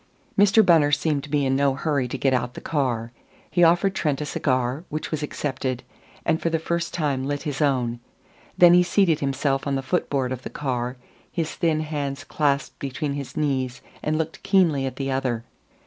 Mr. Bunner seemed to be in no hurry to get out the car. He offered Trent a cigar, which was accepted, and for the first time lit his own. Then he seated himself on the foot board of the car, his thin hands clasped between his knees, and looked keenly at the other.